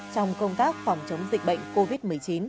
trong công tác phòng chống dịch bệnh covid một mươi chín